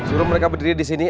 suruh mereka berdiri disini